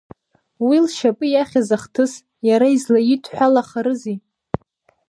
Уи лшьапы иахьыз ахҭыс иара излаидҳәалахарызи?